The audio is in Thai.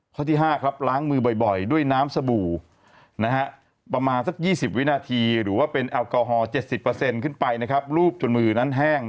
ข้อที่๕ครับล้างมือบ่อยด้วยน้ำสบู่ประมาณสัก๒๐วินาทีหรือว่าเป็นแอลกอฮอล๗๐ขึ้นไปรูปจนมือนั้นแห้ง